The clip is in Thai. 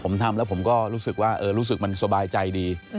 ผมทำแล้วผมก็รู้สึกว่ารู้สึกมันสบายใจดี